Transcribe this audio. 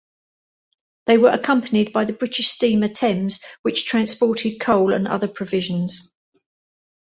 They were accompanied by the British Steamer "Thames", which transported coal and other provisions.